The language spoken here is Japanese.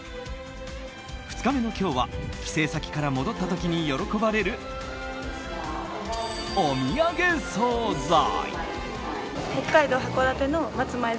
２日目の今日は帰省先から戻った時に喜ばれるおみやげ総菜。